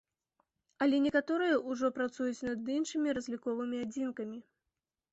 Але некаторыя ўжо працуюць над іншымі разліковымі адзінкамі.